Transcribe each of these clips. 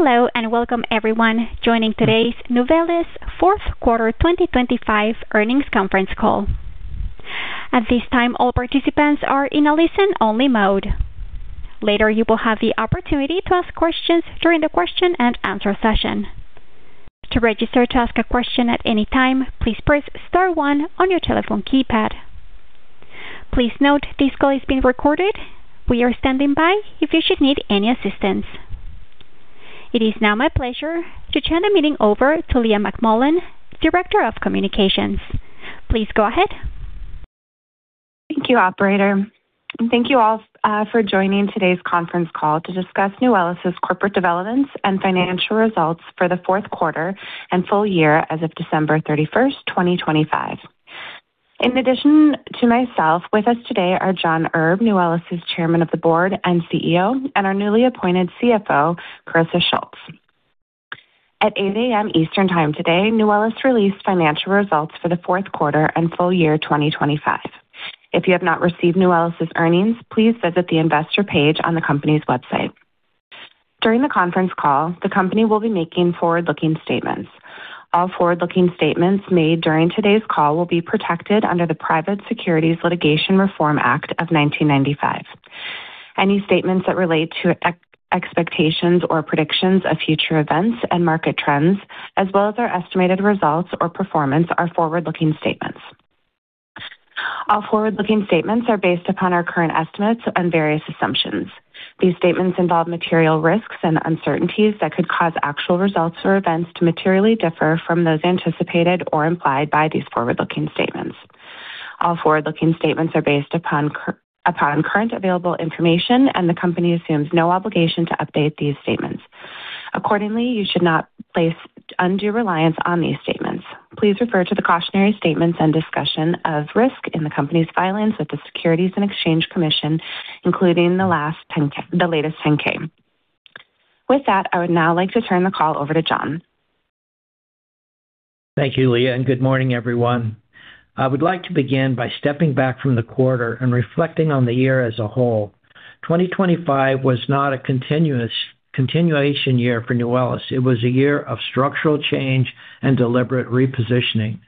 Hello and welcome everyone joining today's Nuwellis fourth quarter 2025 earnings conference call. At this time, all participants are in a listen-only mode. Later, you will have the opportunity to ask questions during the question and answer session. To register to ask a question at any time, please press star one on your telephone keypad. Please note this call is being recorded. We are standing by if you should need any assistance. It is now my pleasure to turn the meeting over to Leah McMullen, Director of Communications. Please go ahead. Thank you, operator, and thank you all for joining today's conference call to discuss Nuwellis' corporate developments and financial results for the fourth quarter and full year as of December 31, 2025. In addition to myself, with us today are John Erb, Nuwellis' Chairman of the Board and CEO, and our newly appointed CFO, Carisa Schultz. At 8:00 A.M. Eastern Time today, Nuwellis released financial results for the fourth quarter and full year 2025. If you have not received Nuwellis' earnings, please visit the investor page on the company's website. During the conference call, the company will be making forward-looking statements. All forward-looking statements made during today's call will be protected under the Private Securities Litigation Reform Act of 1995. Any statements that relate to expectations or predictions of future events and market trends, as well as our estimated results or performance, are forward-looking statements. All forward-looking statements are based upon our current estimates and various assumptions. These statements involve material risks and uncertainties that could cause actual results or events to materially differ from those anticipated or implied by these forward-looking statements. All forward-looking statements are based upon current available information, and the company assumes no obligation to update these statements. Accordingly, you should not place undue reliance on these statements. Please refer to the cautionary statements and discussion of risk in the company's filings with the Securities and Exchange Commission, including the latest 10-K. With that, I would now like to turn the call over to John. Thank you, Leah, and good morning, everyone. I would like to begin by stepping back from the quarter and reflecting on the year as a whole. 2025 was not a continuation year for Nuwellis. It was a year of structural change and deliberate repositioning.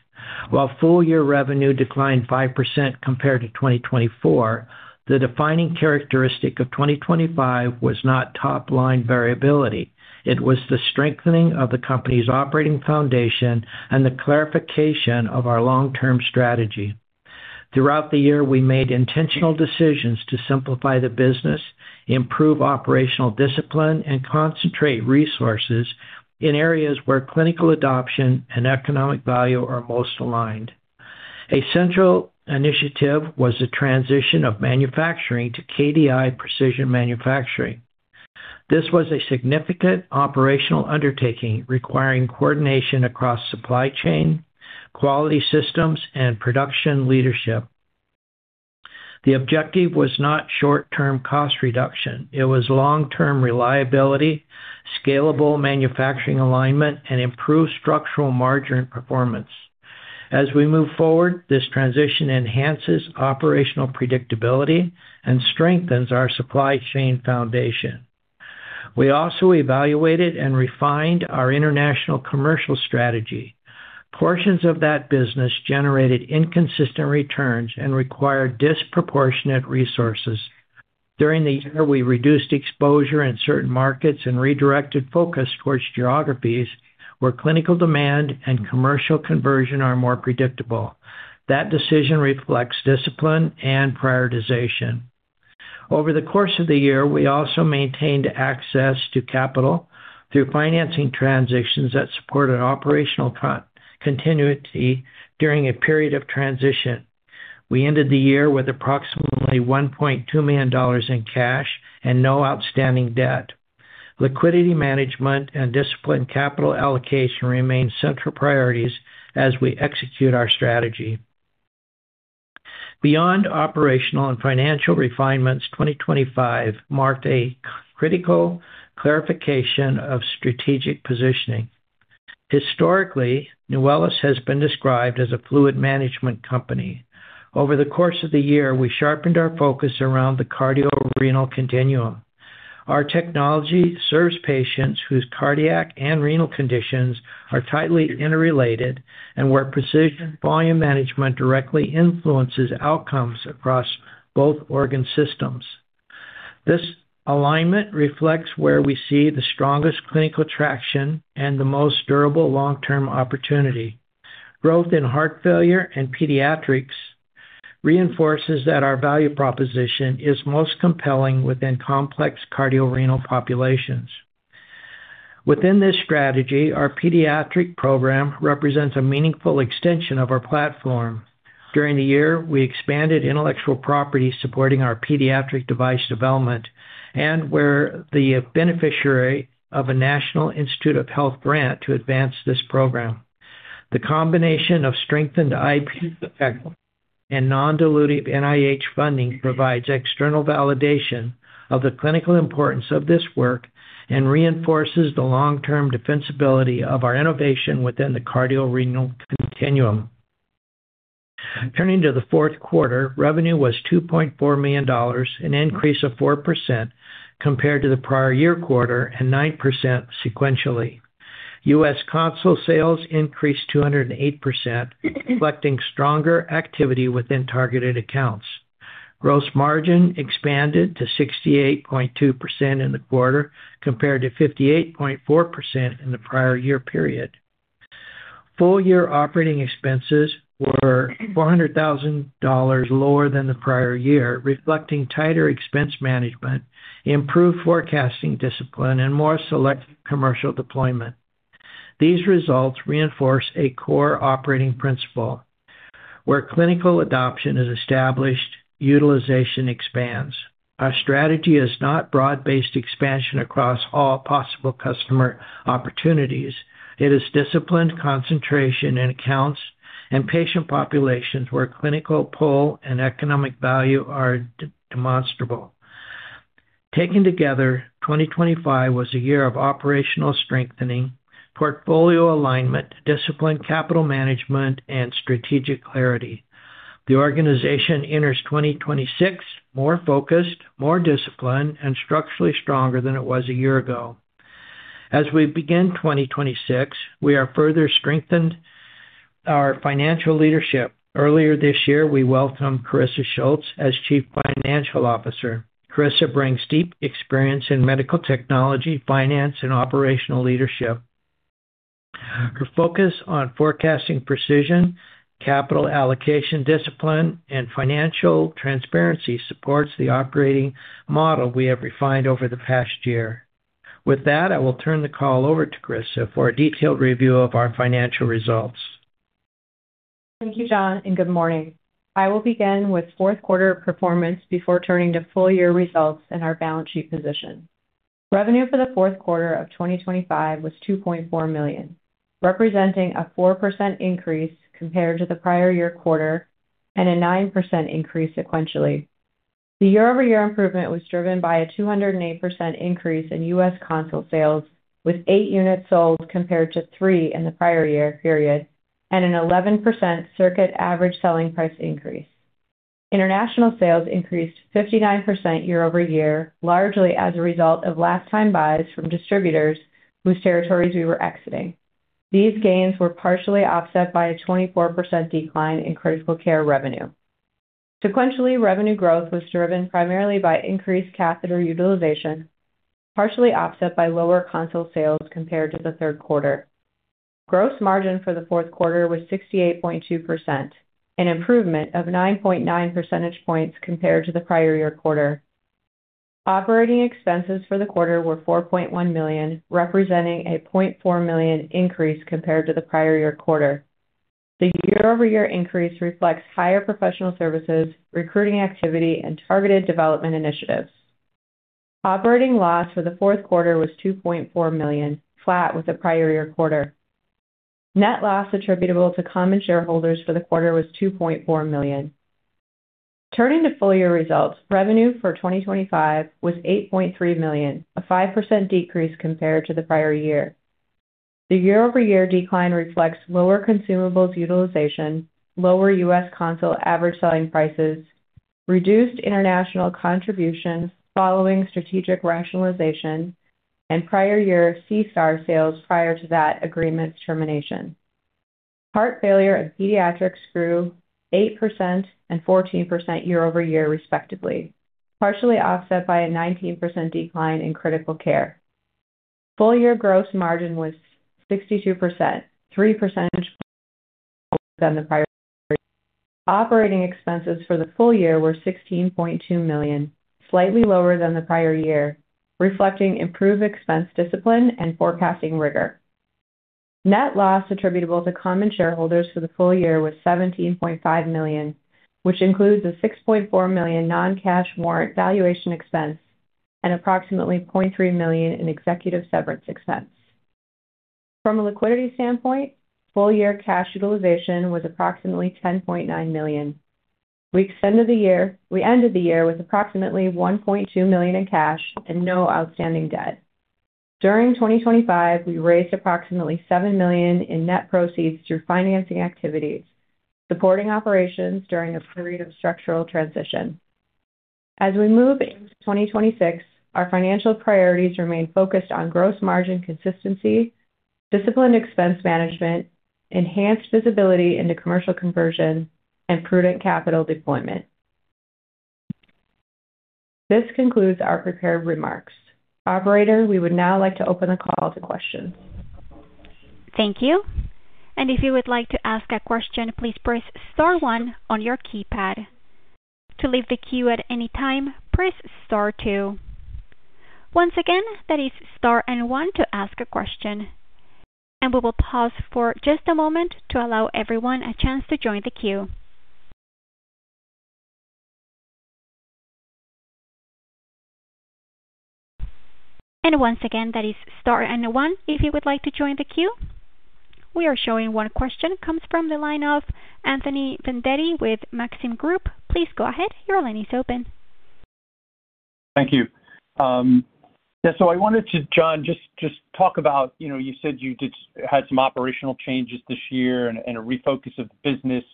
While full-year revenue declined 5% compared to 2024, the defining characteristic of 2025 was not top-line variability. It was the strengthening of the company's operating foundation and the clarification of our long-term strategy. Throughout the year, we made intentional decisions to simplify the business, improve operational discipline, and concentrate resources in areas where clinical adoption and economic value are most aligned. A central initiative was the transition of manufacturing to KDI Precision Manufacturing. This was a significant operational undertaking requiring coordination across supply chain, quality systems, and production leadership. The objective was not short-term cost reduction. It was long-term reliability, scalable manufacturing alignment, and improved structural margin performance. As we move forward, this transition enhances operational predictability and strengthens our supply chain foundation. We also evaluated and refined our international commercial strategy. Portions of that business generated inconsistent returns and required disproportionate resources. During the year, we reduced exposure in certain markets and redirected focus towards geographies where clinical demand and commercial conversion are more predictable. That decision reflects discipline and prioritization. Over the course of the year, we also maintained access to capital through financing transitions that supported operational continuity during a period of transition. We ended the year with approximately $1.2 million in cash and no outstanding debt. Liquidity management and disciplined capital allocation remain central priorities as we execute our strategy. Beyond operational and financial refinements, 2025 marked a critical clarification of strategic positioning. Historically, Nuwellis has been described as a fluid management company. Over the course of the year, we sharpened our focus around the cardiorenal continuum. Our technology serves patients whose cardiac and renal conditions are tightly interrelated and where precision volume management directly influences outcomes across both organ systems. This alignment reflects where we see the strongest clinical traction and the most durable long-term opportunity. Growth in heart failure and pediatrics reinforces that our value proposition is most compelling within complex cardiorenal populations. Within this strategy, our pediatric program represents a meaningful extension of our platform. During the year, we expanded intellectual property supporting our pediatric device development and were the beneficiary of a National Institutes of Health grant to advance this program. The combination of strengthened IP effect and non-dilutive NIH funding provides external validation of the clinical importance of this work and reinforces the long-term defensibility of our innovation within the cardiorenal continuum. Turning to the fourth quarter, revenue was $2.4 million, an increase of 4% compared to the prior year quarter and 9% sequentially. US console sales increased 208%, reflecting stronger activity within targeted accounts. Gross margin expanded to 68.2% in the quarter, compared to 58.4% in the prior year period. Full year operating expenses were $400,000 lower than the prior year, reflecting tighter expense management, improved forecasting discipline and more selective commercial deployment. These results reinforce a core operating principle where clinical adoption is established, utilization expands. Our strategy is not broad-based expansion across all possible customer opportunities. It is disciplined concentration in accounts and patient populations where clinical pull and economic value are demonstrable. Taken together, 2025 was a year of operational strengthening, portfolio alignment, disciplined capital management and strategic clarity. The organization enters 2026 more focused, more disciplined, and structurally stronger than it was a year ago. As we begin 2026, we are further strengthened our financial leadership. Earlier this year, we welcomed Carisa Schultz as Chief Financial Officer. Carisa brings deep experience in medical technology, finance and operational leadership. Her focus on forecasting precision, capital allocation discipline and financial transparency supports the operating model we have refined over the past year. With that, I will turn the call over to Carisa for a detailed review of our financial results. Thank you, John, and good morning. I will begin with fourth quarter performance before turning to full year results and our balance sheet position. Revenue for the fourth quarter of 2025 was $2.4 million, representing a 4% increase compared to the prior year quarter and a 9% increase sequentially. The year-over-year improvement was driven by a 208% increase in U.S. console sales, with 8 units sold compared to 3 in the prior year period, and an 11% circuit average selling price increase. International sales increased 59% year-over-year, largely as a result of last time buys from distributors whose territories we were exiting. These gains were partially offset by a 24% decline in critical care revenue. Sequentially, revenue growth was driven primarily by increased catheter utilization, partially offset by lower console sales compared to the third quarter. Gross margin for the fourth quarter was 68.2%, an improvement of 9.9 percentage points compared to the prior year quarter. Operating expenses for the quarter were $4.1 million, representing a $0.4 million increase compared to the prior year quarter. The year-over-year increase reflects higher professional services, recruiting activity and targeted development initiatives. Operating loss for the fourth quarter was $2.4 million, flat with the prior year quarter. Net loss attributable to common shareholders for the quarter was $2.4 million. Turning to full year results, revenue for 2025 was $8.3 million, a 5% decrease compared to the prior year. The year-over-year decline reflects lower consumables utilization, lower U.S. console average selling prices, reduced international contributions following strategic rationalization and prior year SeaStar sales prior to that agreement's termination. Heart failure and pediatrics grew 8% and 14% year-over-year, respectively, partially offset by a 19% decline in critical care. Full year gross margin was 62%, 3 percentage points than the prior year. Operating expenses for the full year were $16.2 million, slightly lower than the prior year, reflecting improved expense discipline and forecasting rigor. Net loss attributable to common shareholders for the full year was $17.5 million, which includes a $6.4 million non-cash warrant valuation expense and approximately $0.3 million in executive severance expense. From a liquidity standpoint, full year cash utilization was approximately $10.9 million. We ended the year with approximately $1.2 million in cash and no outstanding debt. During 2025, we raised approximately $7 million in net proceeds through financing activities, supporting operations during a period of structural transition. As we move into 2026, our financial priorities remain focused on gross margin consistency, disciplined expense management, enhanced visibility into commercial conversion, and prudent capital deployment. This concludes our prepared remarks. Operator, we would now like to open the call to questions. Thank you. If you would like to ask a question, please press star one on your keypad. To leave the queue at any time, press star two. Once again, that is star, then one to ask a question. We will pause for just a moment to allow everyone a chance to join the queue. Once again, that is star, then one if you would like to join the queue. We are showing one question comes from the line of Anthony Vendetti with Maxim Group. Please go ahead. Your line is open. Thank you. Yeah, I wanted to, John, just talk about you said you had some operational changes this year and a refocus of the business.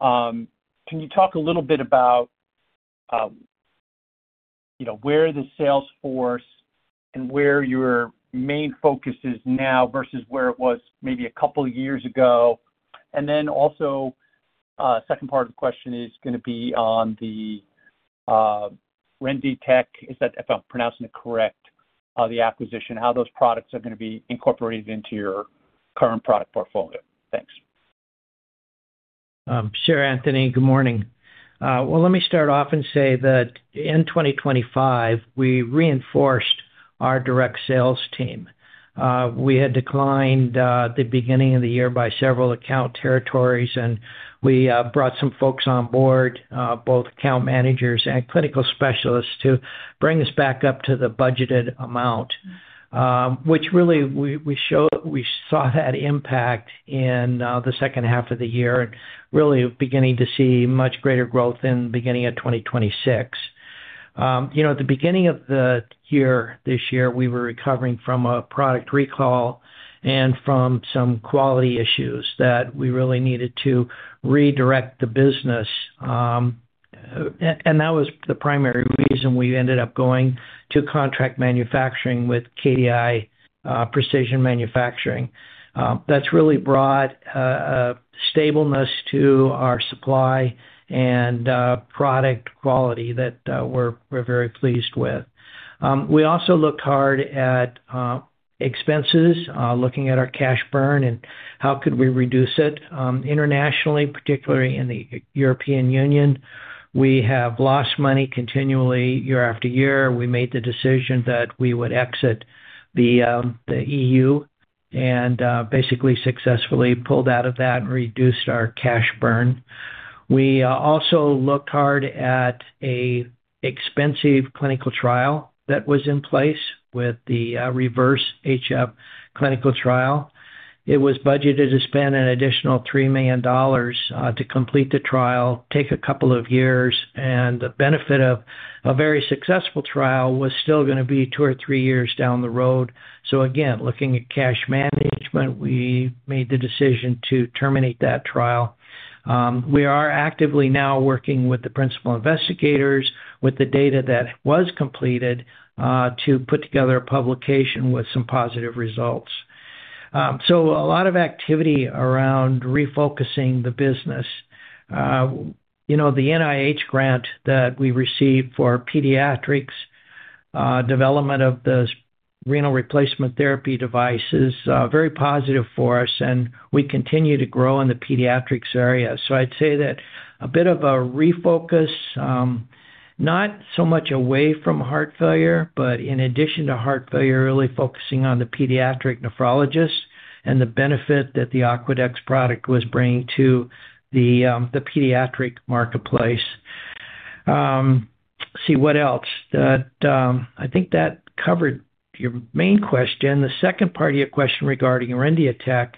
Can you talk a little bit about where the sales force and where your main focus is now versus where it was maybe a couple years ago? Second part of the question is gonna be on the Rendiatech, if I'm pronouncing it correct, the acquisition, how those products are gonna be incorporated into your current product portfolio. Thanks. Sure, Anthony. Good morning. Well, let me start off and say that in 2025 we reinforced our direct sales team. We had declined at the beginning of the year by several account territories, and we brought some folks on board, both account managers and clinical specialists, to bring us back up to the budgeted amount. Which really we saw that impact in the second half of the year and really beginning to see much greater growth in the beginning of 2026. You know, at the beginning of the year, this year, we were recovering from a product recall and from some quality issues that we really needed to redirect the business. That was the primary reason we ended up going to contract manufacturing with KDI Precision Manufacturing. That's really brought stability to our supply and product quality that we're very pleased with. We also looked hard at expenses, looking at our cash burn and how could we reduce it. Internationally, particularly in the European Union, we have lost money continually year after year. We made the decision that we would exit the EU and basically successfully pulled out of that and reduced our cash burn. We also looked hard at an expensive clinical trial that was in place with the REVERSE-HF clinical trial. It was budgeted to spend an additional $3 million to complete the trial, take a couple of years, and the benefit of a very successful trial was still gonna be two or three years down the road. Again, looking at cash management, we made the decision to terminate that trial. We are actively now working with the principal investigators with the data that was completed, to put together a publication with some positive results. A lot of activity around refocusing the business. You know, the NIH grant that we received for pediatrics, development of the renal replacement therapy device is, very positive for us, and we continue to grow in the pediatrics area. I'd say that a bit of a refocus, not so much away from heart failure, but in addition to heart failure, really focusing on the pediatric nephrologists and the benefit that the Aquadex product was bringing to the pediatric marketplace. Let's see, what else? That, I think that covered your main question. The second part of your question regarding Rendiatech,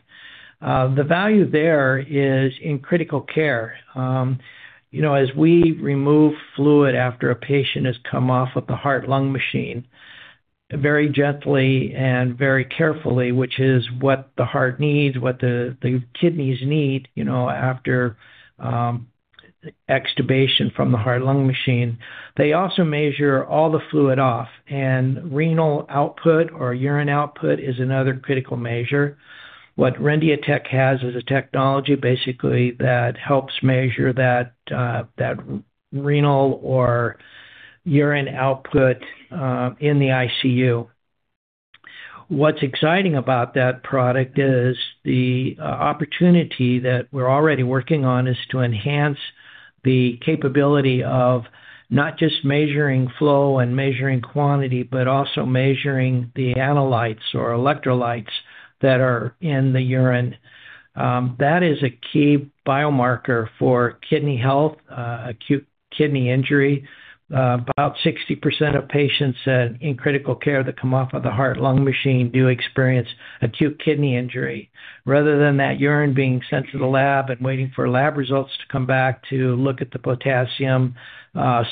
the value there is in critical care. You know, as we remove fluid after a patient has come off of the heart-lung machine, very gently and very carefully, which is what the heart needs, what the kidneys need after extubation from the heart-lung machine. They also measure all the fluid off, and renal output or urine output is another critical measure. What Rendiatech has is a technology basically that helps measure that renal or urine output, in the ICU. What's exciting about that product is the opportunity that we're already working on is to enhance the capability of not just measuring flow and measuring quantity, but also measuring the analytes or electrolytes that are in the urine. That is a key biomarker for kidney health, acute kidney injury. About 60% of patients in critical care that come off of the heart-lung machine do experience acute kidney injury. Rather than that urine being sent to the lab and waiting for lab results to come back to look at the potassium,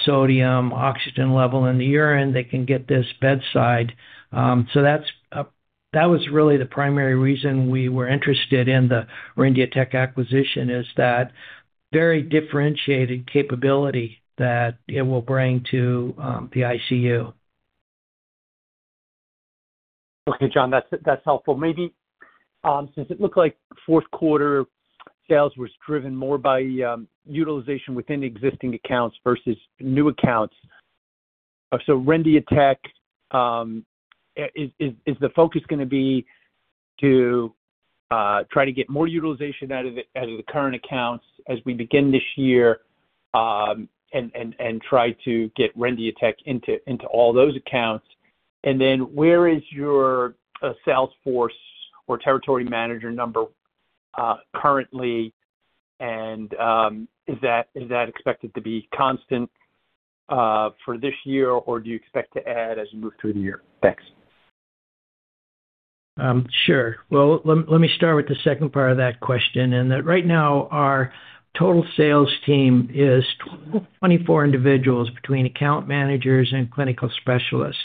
sodium, oxygen level in the urine, they can get this bedside. That was really the primary reason we were interested in the Rendiatech acquisition, is that very differentiated capability that it will bring to the ICU. Okay, John, that's helpful. Maybe since it looked like fourth quarter sales was driven more by utilization within existing accounts versus new accounts. Rendiatech is the focus gonna be to try to get more utilization out of the current accounts as we begin this year, and try to get Rendiatech into all those accounts? Then where is your sales force or territory manager number currently? Is that expected to be constant for this year, or do you expect to add as you move through the year? Thanks. Sure. Well, let me start with the second part of that question, and right now our total sales team is 24 individuals between account managers and clinical specialists.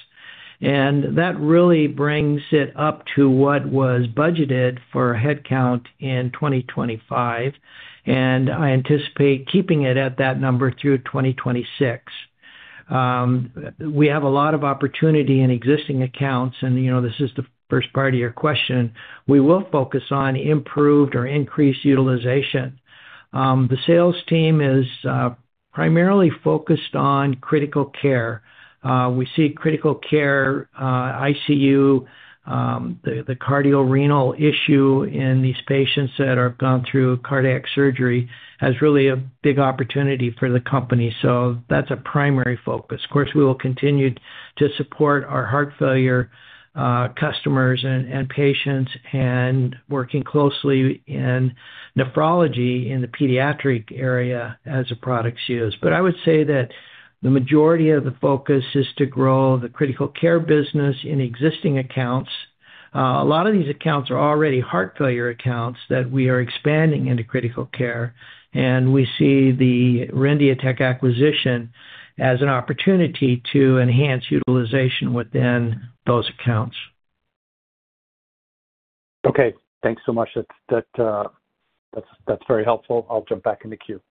That really brings it up to what was budgeted for headcount in 2025, and I anticipate keeping it at that number through 2026. We have a lot of opportunity in existing accounts and this is the first part of your question. We will focus on improved or increased utilization. The sales team is primarily focused on critical care. We see critical care, ICU, the cardiorenal issue in these patients that have gone through cardiac surgery as really a big opportunity for the company. That's a primary focus. Of course, we will continue to support our heart failure customers and patients and working closely in nephrology in the pediatric area as a product use. I would say that the majority of the focus is to grow the critical care business in existing accounts. A lot of these accounts are already heart failure accounts that we are expanding into critical care, and we see the Rendiatech acquisition as an opportunity to enhance utilization within those accounts. Okay. Thanks so much. That's very helpful. I'll jump back in the queue.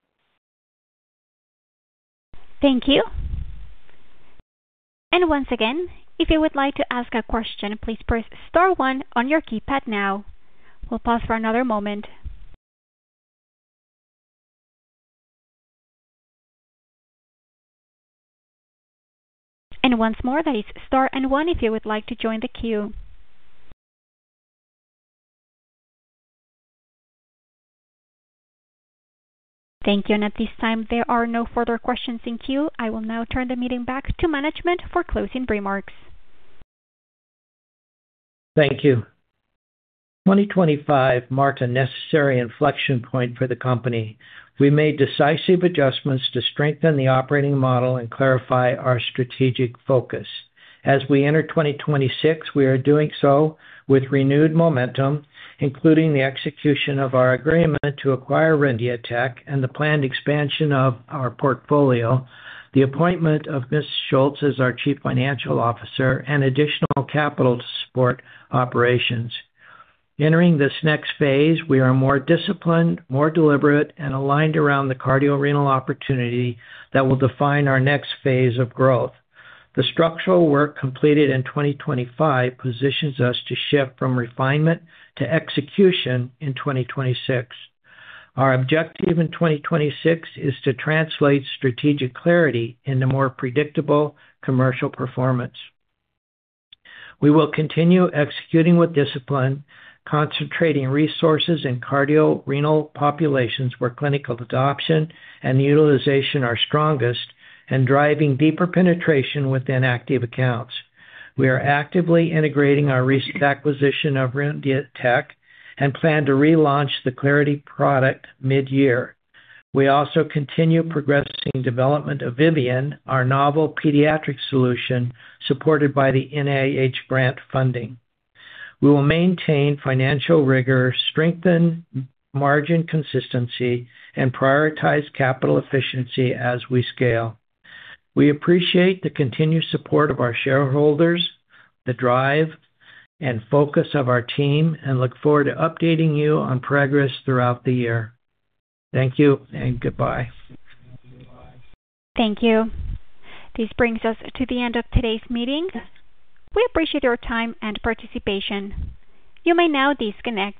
Thank you. Once again, if you would like to ask a question, please press star one on your keypad now. We'll pause for another moment. Once more, that is star and one if you would like to join the queue. Thank you. At this time, there are no further questions in queue. I will now turn the meeting back to management for closing remarks. Thank you. 2025 marked a necessary inflection point for the company. We made decisive adjustments to strengthen the operating model and clarify our strategic focus. As we enter 2026, we are doing so with renewed momentum, including the execution of our agreement to acquire Rendiatech and the planned expansion of our portfolio, the appointment of Ms. Schultz as our Chief Financial Officer, and additional capital to support operations. Entering this next phase, we are more disciplined, more deliberate, and aligned around the cardiorenal opportunity that will define our next phase of growth. The structural work completed in 2025 positions us to shift from refinement to execution in 2026. Our objective in 2026 is to translate strategic clarity into more predictable commercial performance. We will continue executing with discipline, concentrating resources in cardiorenal populations where clinical adoption and utilization are strongest and driving deeper penetration within active accounts. We are actively integrating our recent acquisition of Rendiatech and plan to relaunch the Clarity product mid-year. We also continue progressing development of Vivian, our novel pediatric solution supported by the NIH grant funding. We will maintain financial rigor, strengthen margin consistency, and prioritize capital efficiency as we scale. We appreciate the continued support of our shareholders, the drive and focus of our team, and look forward to updating you on progress throughout the year. Thank you and goodbye. Thank you. This brings us to the end of today's meeting. We appreciate your time and participation. You may now disconnect.